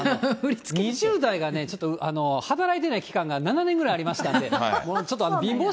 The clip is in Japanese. ２０代がね、ちょっと働いてない期間が７年ぐらいありました